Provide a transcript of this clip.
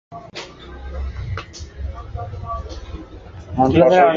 বিহারী হাসিয়া কহিল, আমার দরখাস্ত মজ্ঞুর হইল বুঝি।